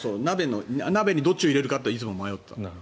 鍋にどっちを入れるかっていつも迷ってる。